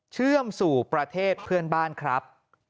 เชื่อมสู่ประเทศเพื่อนบ้านครับ